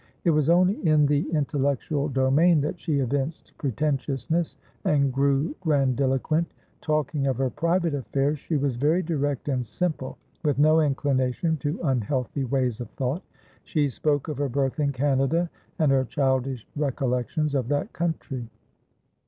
It was only in the intellectual domain that she evinced pretentiousness and grew grandiloquent; talking of her private affairs, she was very direct and simple, with no inclination to unhealthy ways of thought. She spoke of her birth in Canada, and her childish recollections of that country.